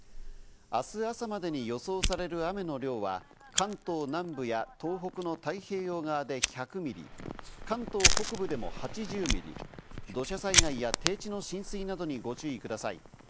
あす朝までに予想される雨の量は、関東南部や東北の太平洋側で１００ミリ、関東北部でも８０ミリ、土砂災害や低地の浸水などにご注意ください。